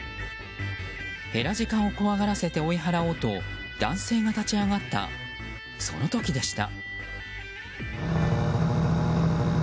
ヘラジカを怖がらせて追い払おうと男性が立ち上がったその時でした。